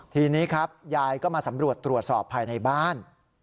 ทีนี้ครับยายก็มาสำรวจตรวจสอบภายในบ้าน